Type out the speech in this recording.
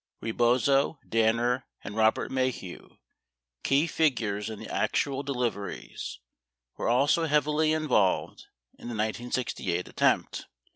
Rebozo, Danner, and Robert Maheu, key figures in the actual deliveries, were also heavily involved in the 1968 attempt.